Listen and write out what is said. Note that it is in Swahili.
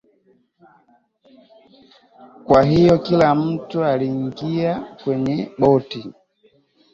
Kwa hiyo kila mtu alingia kwenye boti